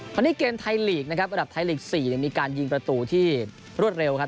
วันนี้เกมไทยลีกนะครับระดับไทยลีก๔มีการยิงประตูที่รวดเร็วครับ